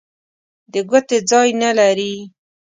د ګوتې ځای نه لري.